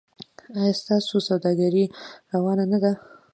ایا ستاسو سوداګري روانه نه ده؟